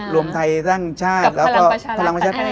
รวมไทยสร้างชาติ